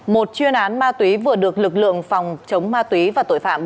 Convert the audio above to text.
một chuyên án ma túy vừa được lực lượng phòng chống ma túy và tội phạm